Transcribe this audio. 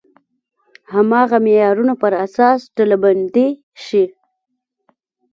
هماغه معیارونو پر اساس ډلبندي شي.